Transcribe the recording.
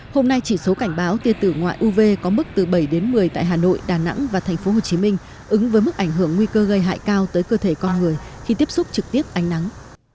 hôm nay chỉ số cảnh báo tia tử ngoại uv có mức từ bảy đến một mươi tại hà nội đà nẵng và tp hcm ứng với mức ảnh hưởng nguy cơ gây hại cao tới cơ thể con người khi tiếp xúc trực tiếp ánh nắng